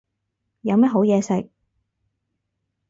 有咩好嘢食